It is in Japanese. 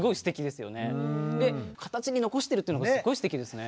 で形に残してるっていうのがすっごいすてきですね。